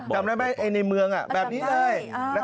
จำได้ไหมในเมืองแบบนี้เลย